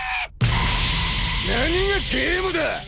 何がゲームだ！